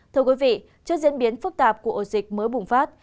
thưa quý vị trước diễn biến phức tạp của ổ dịch mới bùng phát